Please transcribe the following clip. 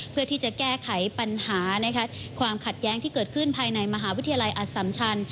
เพื่อที่จะแก้ไขปัญหาความขัดแย้งที่เกิดขึ้นภายในมหาวิทยาลัยอสัมชัน